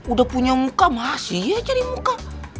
udah punya muka masih aja di muka